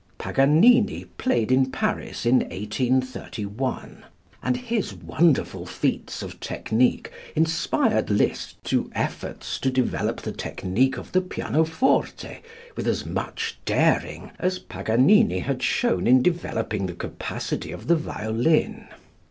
Paganini played in Paris in 1831, and his wonderful feats of technique inspired Liszt to efforts to develop the technique of the pianoforte with as much daring as Paganini had shown in developing the capacity of the violin.